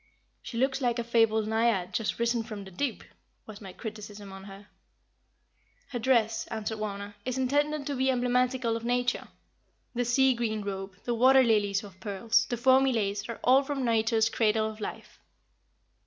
"She looks like a fabled Naiad just risen from the deep," was my criticism on her. "Her dress," answered Wauna, "is intended to be emblematical of Nature. The sea green robe, the water lilies of pearls, the foamy lace are all from Nature's Cradle of Life."